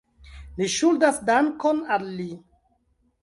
Ni ŝuldas dankon al li.